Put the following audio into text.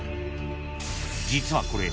［実はこれ］